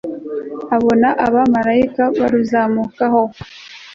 Abonabamaraika blmana baruzamukiraho